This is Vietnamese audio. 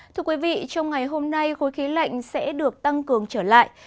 thưa quý vị trong ngày hôm nay khối khí lạnh sẽ được tăng cường trở lại